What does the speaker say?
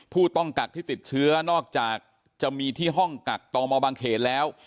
ผู้ต้องกักที่ติดเชื้อนอกจากจะมีที่ห้องกักตมบางเขตแล้ว